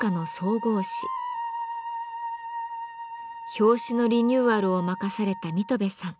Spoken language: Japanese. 表紙のリニューアルを任された水戸部さん。